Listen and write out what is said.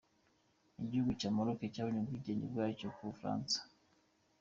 Igihugu cya Maroc cyabonye ubwigenge bwacyo ku bufaransa.